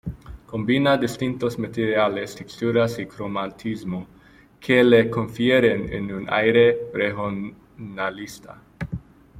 Combina distintos materiales, texturas y cromatismo, que le confieren un aire regionalista.